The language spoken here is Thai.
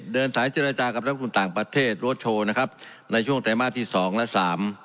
เดินสายเจรจากับนักลงทุนต่างประเทศโรชโชว์ในช่วงไตรมาสที่๒และ๓